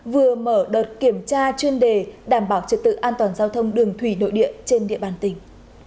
vừa mở đợt kiểm tra chuyên đề đảm bảo trật tự an toàn giao thông đường thủy nội địa trên địa bàn tỉnh